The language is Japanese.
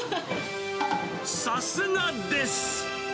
さすがです。